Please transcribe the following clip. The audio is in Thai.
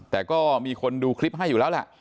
แต่ก็มีคนดูคลิปให้อยู่แล้วแหละ